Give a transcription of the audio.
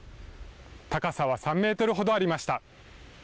高さは３メートルほどありました。